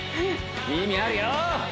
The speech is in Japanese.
意味あるよ！